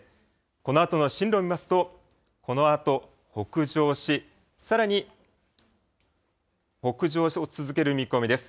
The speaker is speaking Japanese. このあとの進路を見ますと、このあと北上し、さらに北上を続ける見込みです。